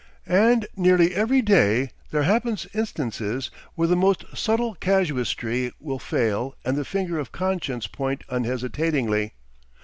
And nearly every day there happens instances where the most subtle casuistry will fail and the finger of conscience point unhesitatingly.